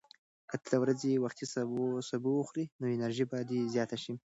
که ته د ورځې وختي سبو وخورې، نو انرژي به دې زیاته شي.